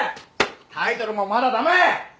タイトルもまだ駄目！